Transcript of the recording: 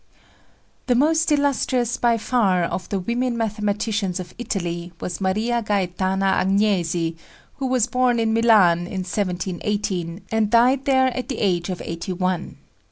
" The most illustrious, by far, of the women mathematicians of Italy was Maria Gaetana Agnesi, who was born in Milan in 1718 and died there at the age of eighty one.